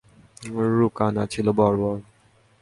রুকানা ছিল বর্বর।